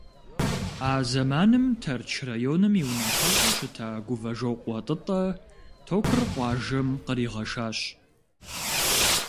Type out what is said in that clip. А зэманым Тэрч районым и унафэщӀу щыта Гувэжокъуэ ТӀытӀэ токыр къуажэм къригъэшащ.